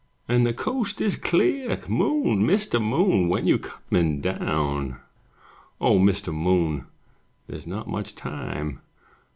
And the coast is clear! Moon, Mr. Moon, When you comin' down? O Mr. Moon, There's not much time!